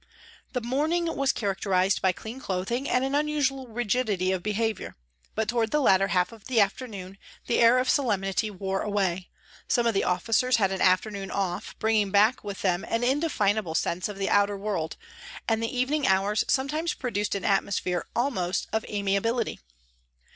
The morning was characterised by clean clothing and an unusual rigidity of behaviour, but towards the latter half of the afternoon the air of solemnity wore away, some of the officers had an afternoon off, bringing back with them an indefinable sense of the outer world, and the evening hours sometimes produced an atmosphere almost of amiability.